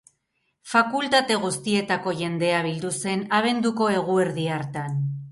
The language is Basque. Fakultate guztietako jendea bildu zen abenduko eguerdi hartan.